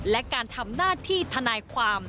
และการทำหน้าที่ทนายความ